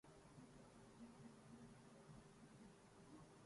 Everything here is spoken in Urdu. کسے نہیں ہے تمنائے سروری ، لیکن